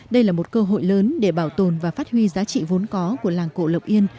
đây là một cơ hội lớn để bảo tồn và phát huy giá trị vốn có của làng cổ lộc yên